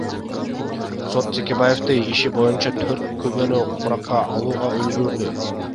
Сот Текебаевдин иши боюнча төрт күбөнү суракка алууга үлгүрдү.